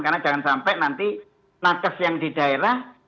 karena jangan sampai nanti nakes yang di daerah